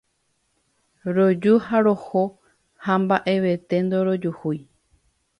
Roju ha roho ha mba'evete ndorojuhúi.